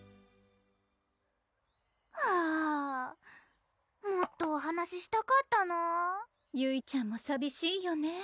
はぁもっとお話したかったなぁゆいちゃんもさびしいよね